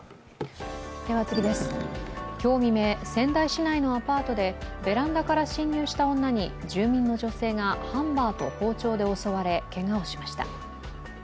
今日未明、仙台市内のアパートでベランダから侵入した女に住民の女性がハンマーと包丁で襲われ、けがをしました。